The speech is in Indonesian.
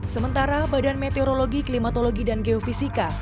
sementara badan meteorologi klimatologi dan geofisika